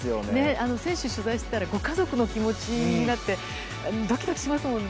選手を取材しているとご家族の気持ちになってドキドキしますもんね。